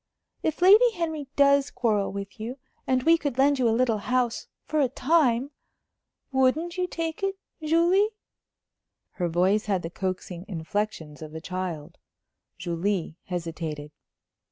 If Lady Henry does quarrel with you, and we could lend you a little house for a time wouldn't you take it, Julie?" Her voice had the coaxing inflections of a child. Julie hesitated.